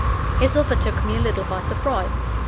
His offer took me a little by surprise.